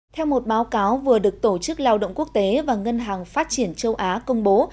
theo một báo cáo vừa được tổ chức lao động quốc tế và ngân hàng phát triển châu á công bố